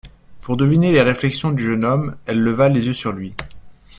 Pour deviner les réflexions du jeune homme, elle leva les yeux sur lui.